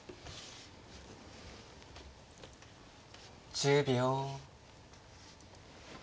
１０秒。